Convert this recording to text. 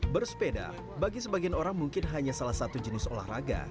bersepeda bagi sebagian orang mungkin hanya salah satu jenis olahraga